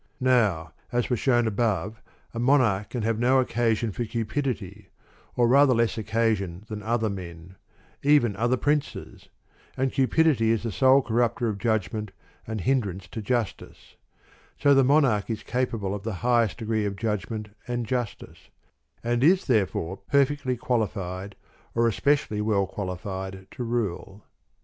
Now, as was shown above, a Monarch can have no occasion for cupidity, or rather less occasion than anyother men, even other princes,* and__cupidity is the sole corrupter of judgment and Hifidrance to Justice; so the Monarch is capable of the highest degree ofjudgment and Justice, and is therefore perfectly qualified, or especially well qualified, to rule.